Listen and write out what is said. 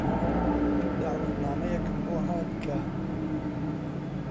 دەعوەتنامەیەکم بۆ هات کە: